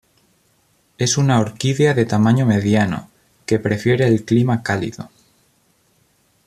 Es una orquídea de tamaño mediano, que prefiere el clima cálido.